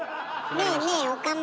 ねえねえ岡村。